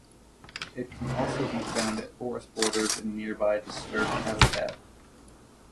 It can also be found at forest borders and nearby disturbed habitat.